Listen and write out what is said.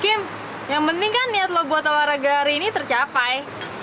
game yang penting kan niat lo buat olahraga hari ini tercapai